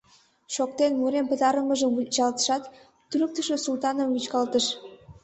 Шоктен, мурен пытарымыжым вучалтышат, туныктышо Султаным вӱчкалтыш.